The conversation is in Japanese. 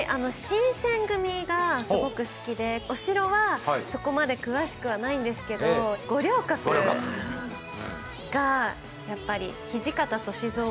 新選組がすごく好きでお城はそこまで詳しくはないんですけど五稜郭がやっぱり土方歳三推しなので。